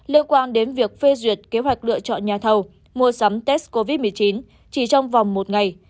liên quan đến việc phê duyệt kế hoạch lựa chọn nhà thầu mua sắm test covid một mươi chín chỉ trong vòng một ngày